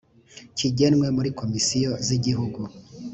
kigenwe muri komisiyo z igihugu